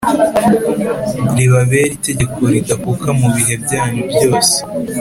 ribabere itegeko ridakuka mu bihe byanyu byose